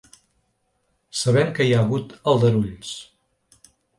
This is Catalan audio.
Sabem que hi hagut aldarulls.